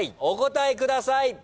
お答えください。